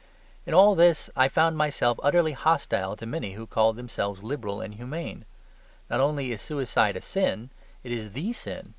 In all this I found myself utterly hostile to many who called themselves liberal and humane. Not only is suicide a sin, it is the sin.